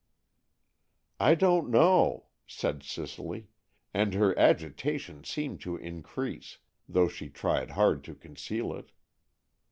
"I don't know," said Cicely, and her agitation seemed to increase, though she tried hard to conceal it.